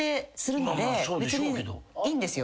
別にいいんですよ。